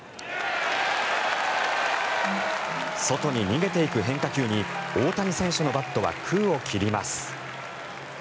外に逃げていく変化球に大谷選手のバットは空を切ります。